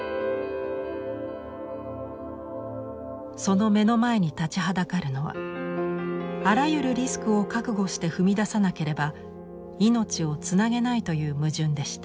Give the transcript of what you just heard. その目の前に立ちはだかるのはあらゆるリスクを覚悟して踏み出さなければ命をつなげないという矛盾でした。